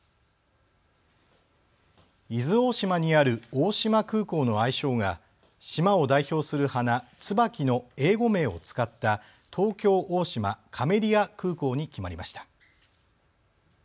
伊豆大島にある大島空港の愛称が島を代表する花、つばきの英語名を使った東京大島かめりあ空港に決まりました。